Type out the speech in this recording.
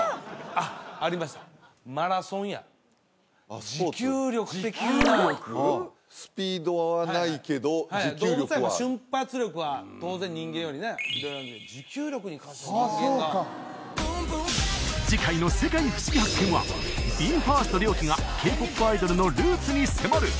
あっありましたマラソンや持久力的なスピードはないけど持久力動物はやっぱ瞬発力は当然人間よりね持久力に関しては人間がああそうか次回の「世界ふしぎ発見！」はＢＥ：ＦＩＲＳＴＲＹＯＫＩがＫ−ＰＯＰアイドルのルーツに迫る！